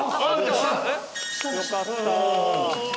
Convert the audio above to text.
よかった。